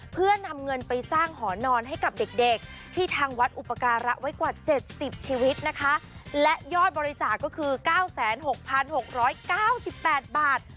เพื่อนำเงินไปสร้างหอนอนให้กับเด็กเด็กที่ทางวัดอุปการะไว้กว่าเจ็ดสิบชีวิตนะคะและยอดบริจาคก็คือเก้าแสนหกพันหกร้อยเก้าสิบแปดบาท